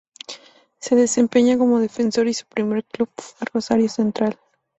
Se desempeñaba como defensor y su primer club fue Rosario Central.